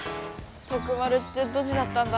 トクマルってドジだったんだ。